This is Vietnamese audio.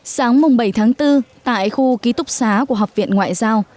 sáng bảy tháng bốn tại khu ký túc xá của học viện ngoại giao